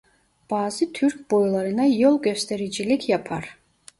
Bazı Türk boylarına yol göstericilik yapar.